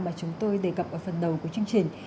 mà chúng tôi đề cập ở phần đầu của chương trình